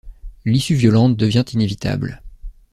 L'issue violente devient inévitable.